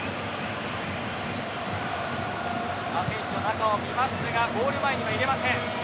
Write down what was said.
アセンシオ、中を見ますがゴール前には入れません。